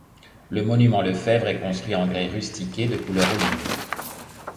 Le Monument-Lefebvre est construit en grès rustiqué de couleur olive.